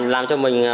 làm cho mình